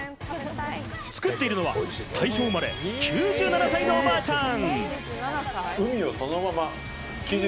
作っているのは、大正生まれ、９７歳のおばあちゃん。